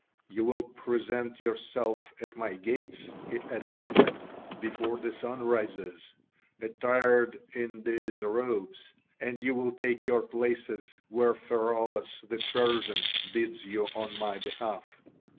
"You will present yourselves at my gates," he added, "before the sun rises, attired in these robes, and you will take your places where Pheraulas the Persian bids you on my behalf.